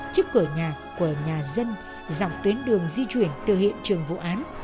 trước cửa nhà của nhà dân dọc tuyến đường di chuyển từ hiện trường vụ án